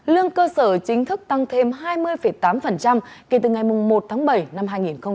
lương cơ sở chính thức tăng thêm hai mươi tám kể từ ngày một tháng bảy năm hai nghìn hai mươi